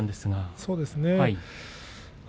そうですね。